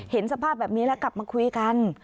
เห็นสภาพแบบนี้แล้วกลับมาคุยกัน